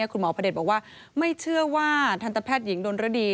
พระเด็จบอกว่าไม่เชื่อว่าทันตแพทย์หญิงดนรดี